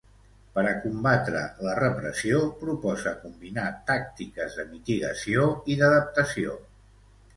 Per a combatre la repressió, proposa combinar tàctiques de mitigació i d'adaptació.